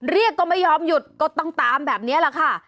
เรียกก็ไม่ยอมหยุดก็ต้องตามแบบนี้แหละค่ะ